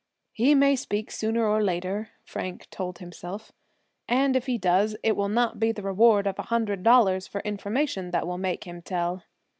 "He may speak sooner or later," Frank told himself; "and if he does, it will not be the reward of a hundred dollars for information that will make him tell."